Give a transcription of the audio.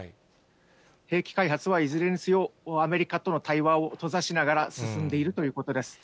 兵器開発はいずれにせよ、アメリカとの対話を閉ざしながら進んでいるということです。